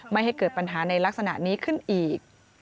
ไม่ให้เกิดปัญหาในลักษณะนี้ขึ้นอีก